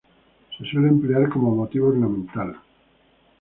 Se suele emplear como motivo ornamental.